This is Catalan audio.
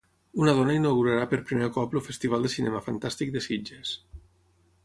Una dona inaugurarà per primer cop el Festival de Cinema Fantàstic de Sitges.